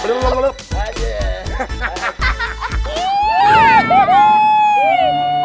belum belum belum